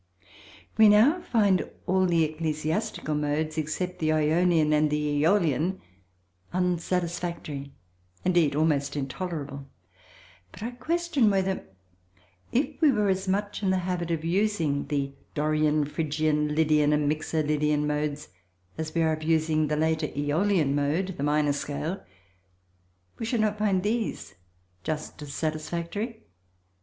We now find all the ecclesiastical modes, except the Ionian and the Æolian, unsatisfactory, indeed almost intolerable, but I question whether, if we were as much in the habit of using the Dorian, Phrygian, Lydian and Mixo Lydian modes as we are of using the later Æolian mode (the minor scale), we should not find these just as satisfactory.